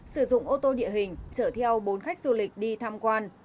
sử dụng ô tô địa hình chở theo bốn khách du lịch đi tham quan